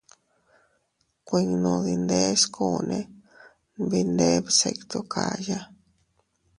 Kuinno dindeskunne nbindee bsittu kaya.